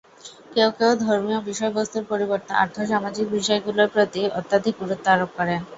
কেউ কেউ ধর্মীয় বিষয়বস্তুর পরিবর্তে আর্থ-সামাজিক বিষয়গুলির প্রতি অত্যধিক গুরুত্ব আরোপ করেন।